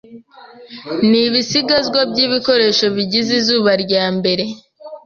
ni ibisigazwa byibikoresho bigize izuba ryambere